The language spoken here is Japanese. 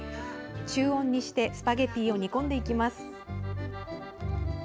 中温にしてスパゲッティを煮込んでいきます。